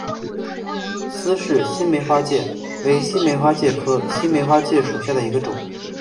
斯氏新梅花介为新梅花介科新梅花介属下的一个种。